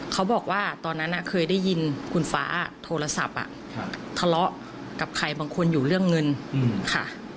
เขาบอกว่าตอนนั้นเคยได้ยินคุณฟ้าโทรศัพท์ทะเลาะกับใครบางคนอยู่เรื่องเงินค่ะ